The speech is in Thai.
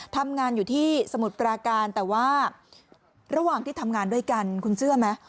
ทำงานอยู่ที่สมุทรปราการแต่ว่าระหว่างที่ทำงานด้วยกันคุณเชื่อไหม